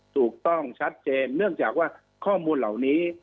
ถูกต้องชัดเจนเนื่องจากว่าข้อมูลเหล่านี้